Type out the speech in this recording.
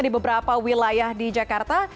di beberapa wilayah di jakarta